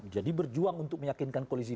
jadi berjuang untuk meyakinkan koalisi dua